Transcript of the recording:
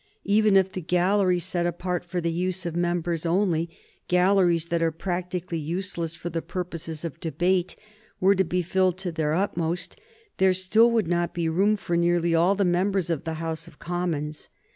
Even if the galleries set apart for the use of members only, galleries that are practically useless for the purposes of debate, were to be filled to their utmost, there still would not be room for nearly all the members of the House of Commons.